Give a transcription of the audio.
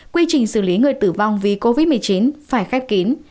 quy trình xử lý người tử vong vì covid một mươi chín phải khép kín